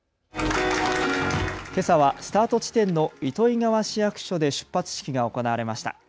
けさはスタート地点の糸魚川市役所で出発式が行われました。